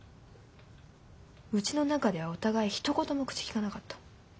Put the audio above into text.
うちの中ではお互いひと言も口きかなかった。